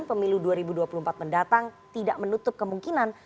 pemilu dua ribu dua puluh empat mendatang tidak menutup kemungkinan